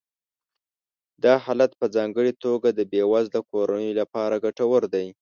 دا حالت په ځانګړې توګه د بې وزله کورنیو لپاره ګټور دی